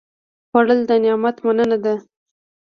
خوړل د نعمت مننه ده